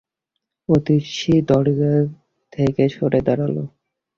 অতসী দরজা থেকে সরে দাঁড়াল।